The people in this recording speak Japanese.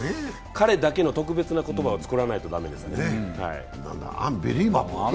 関連だけの特別な言葉を作らないと駄目ですね。